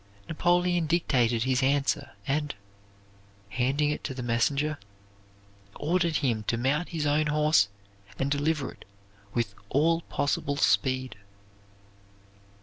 Napoleon dictated his answer and, handing it to the messenger, ordered him to mount his own horse and deliver it with all possible speed.